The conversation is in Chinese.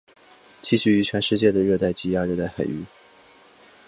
栖息于全世界的热带及亚热带海域。